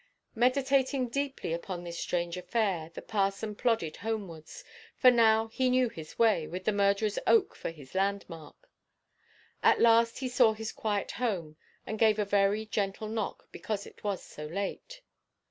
Meditating deeply upon this strange affair, the parson plodded homewards, for now he knew his way, with the Murdererʼs Oak for his landmark. At last he saw his quiet home, and gave a very gentle knock, because it was so late.